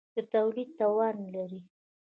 د تولید توان لري.